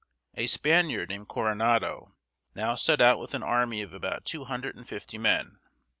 A Spaniard named Coronado (co ro nah´tho) now set out with an army of about two hundred and fifty men.